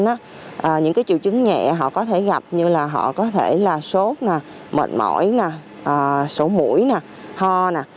đó những cái triệu chứng nhẹ họ có thể gặp như là họ có thể là sốt nè mệt mỏi nè sổ mũi nè ho nè